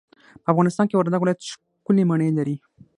په افغانستان کي وردګ ولايت ښکلې مڼې لري.